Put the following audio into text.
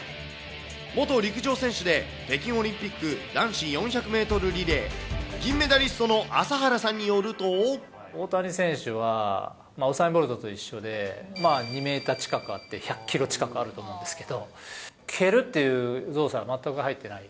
元陸上選手で、北京オリンピック男子４００メートルリレー、銀メダリストの朝原大谷選手はウサイン・ボルトと一緒で、２メーター近くあって、１００キロ近くあると思うんですけど、蹴るっていう動作は全く入ってない。